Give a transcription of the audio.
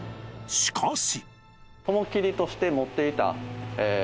しかし